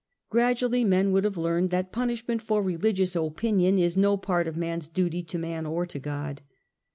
Gradually men would have learned that punishment for religious opinion is no part of man's duty to man or to God.